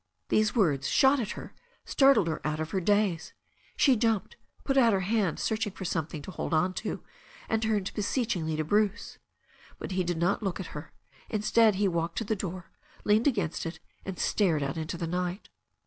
These words, shot at her, startled her out of her daze. She jumped, put out her hand, searching for something to hold on to, and turned beseechingly to Bruce. But he did not look at her. Instead he walked to the door, leaned against it, and stared out into the night.